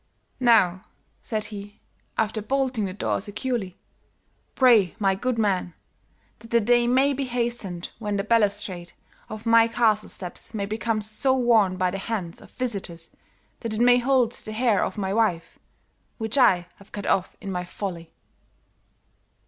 "'Now,' said he, after bolting the door securely, 'pray, my good man, that the day may be hastened when the balustrade of my castle steps may become so worn by the hands of visitors that it may hold the hair of my wife, which I have cut off in my folly.'